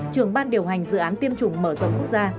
trưởng ban điều hành dự án tiêm chủng mở rộng